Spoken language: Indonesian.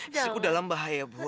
istriku dalam bahaya bu